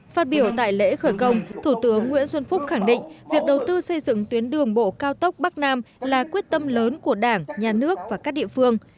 phát biểu tại lễ khởi công thủ tướng nguyễn xuân phúc khẳng định việc đầu tư xây dựng tuyến đường bộ cao tốc bắc nam là quyết tâm lớn của đảng nhà nước và các địa phương